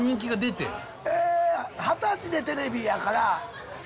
え二十歳でテレビやから最初。